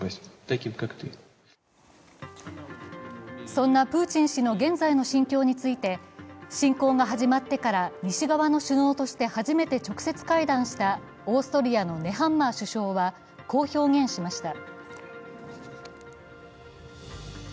そんなプーチン氏の現在の心境について侵攻が始まってから西側の首脳として初めて直接会談したオーストリアのネハンマー首相はこう表現しました。